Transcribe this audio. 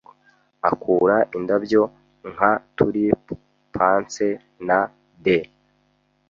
Akura indabyo nka tulip, panse na dais.